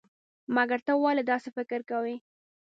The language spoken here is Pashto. مګر ته ولې داسې فکر کوئ؟